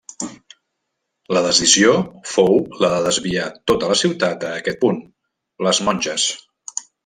La decisió fou la de desviar tota la ciutat a aquest punt, les Monges.